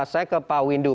saya ke pak windu